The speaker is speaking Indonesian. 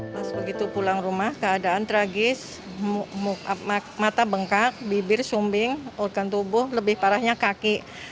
pas begitu pulang rumah keadaan tragis mata bengkak bibir sumbing organ tubuh lebih parahnya kaki